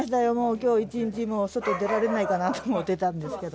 きょう一日、もう外出られないかなと思ってたんですけど。